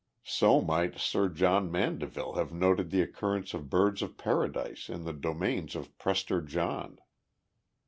So might Sir John Mandeville have noted the occurrence of birds of paradise in the domains of Prester John.